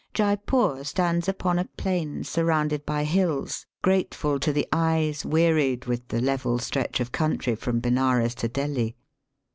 Jeypore stands upon a plain surrounded by hills, grateful to the eyes wearied with the level stretch of country from Benares to Delhi.